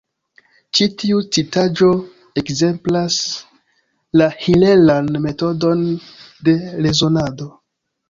Ĉi tiu citaĵo ekzemplas la hilelan metodon de rezonado.